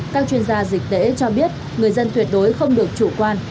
các chuyên gia dịch tễ cho biết người dân tuyệt đối không được chủ quan